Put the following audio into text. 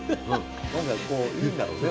何かこういいんだろうね